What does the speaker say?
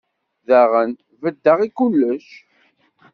Dayen, beddeɣ i kullec.